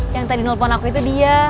yang tadi nelfon aku itu dia